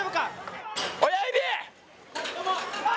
親指！